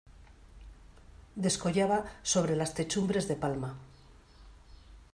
descollaba sobre las techumbres de palma.